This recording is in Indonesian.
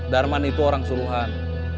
darman itu orang suruhan